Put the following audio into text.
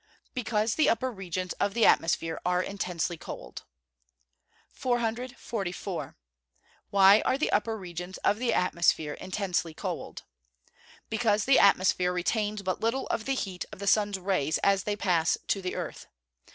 _ Because the upper regions of the atmosphere are intensely cold. 444. Why are the upper regions of the atmosphere intensely cold? Because the atmosphere retains but little of the heat of the sun's rays as they pass to the earth.